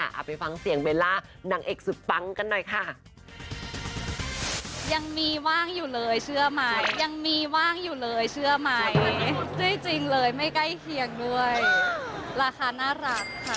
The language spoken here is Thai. เอาไปฟังเสียงเบลล่านางเอกสุดปังกันหน่อยค่ะ